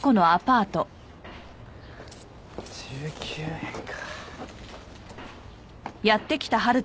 １９円か。